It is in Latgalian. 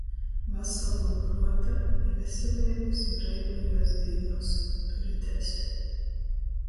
Vasaluo pruota i veseleibys breivajuos dīnuos!!! Turitēs!.